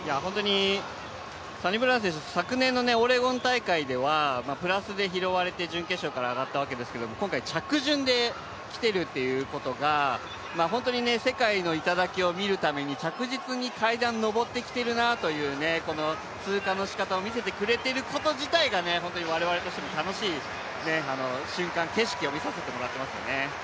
サニブラウン選手、昨年のオレゴン大会ではプラスで拾われて準決勝から上がったわけですけれども、今回着順で来ているということが本当に世界の頂を見るために着実に階段を上ってきているなという通過のしかたを見せてくれていること自体が本当に我々としても楽しい瞬間・景色を見させてもらってますよね。